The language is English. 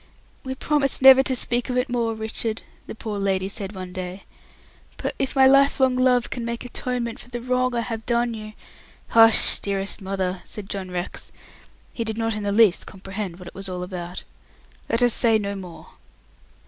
"We promised never to speak of it more, Richard," the poor lady said one day, "but if my lifelong love can make atonement for the wrong I have done you " "Hush, dearest mother," said John Rex, who did not in the least comprehend what it was all about. "Let us say no more."